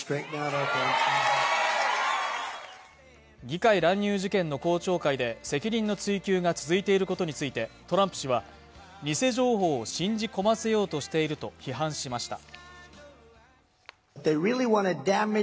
議会乱入事件の公聴会で責任の追及が続いていることについてトランプ氏は偽情報を信じ込ませようとしていると批判しました